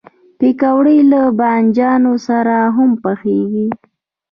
پکورې له بادنجان سره هم پخېږي